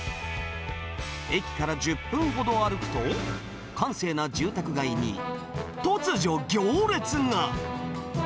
駅から１０分ほど歩くと、閑静な住宅街に突如、行列が。